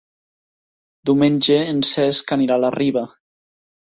Diumenge en Cesc anirà a la Riba.